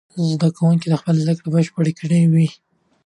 زده کوونکي به خپله زده کړه بشپړه کړې وي.